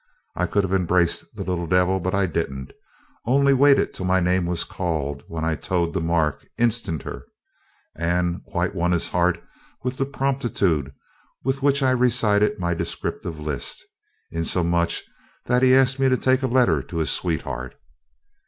I could have embraced the little devil, but I didn't, only waited till my name was called, when I toed the mark instanter, and quite won his heart with the promptitude with which I recited my descriptive list, insomuch that he asked me to take a letter to his sweetheart.